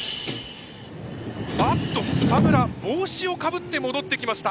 あっと草村帽子をかぶって戻ってきました。